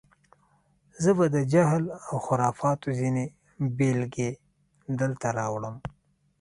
زه به د جهل و خرافاتو ځینې بېلګې دلته راوړم.